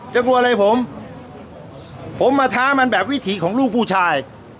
กลัวอะไรผมผมมาท้ามันแบบวิถีของลูกผู้ชาย